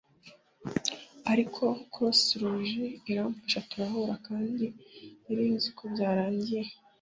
ariko Croix Rouge iramfasha turahura kandi nari nzi ko byarangiye